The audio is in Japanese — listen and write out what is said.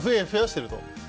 増やしてると。